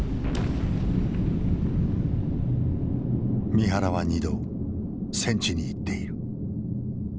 三原は２度戦地に行っている。